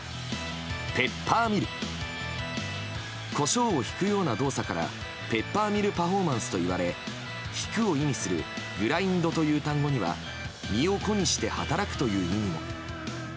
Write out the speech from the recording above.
ペッパーミルコショウをひくような動作からペッパーミルパフォーマンスといわれひくを意味するｇｒｉｎｄという単語には身を粉にして働くという意味も。